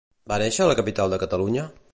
Va néixer a la capital de Catalunya?